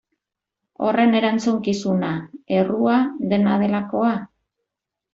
Horren erantzukizuna, errua, dena delakoa?